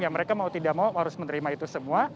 mereka mau tidak mau harus menerima itu semua